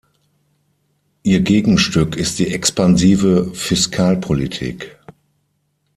Ihr Gegenstück ist die expansive Fiskalpolitik.